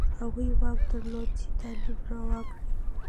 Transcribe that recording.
هغوی واک درلود چې تعلیم روا کړي.